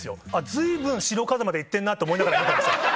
随分白風間で行ってんなと思いながら見てました。